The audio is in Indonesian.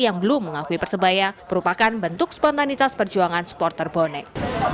yang belum mengakui persebaya merupakan bentuk spontanitas perjuangan supporter bonek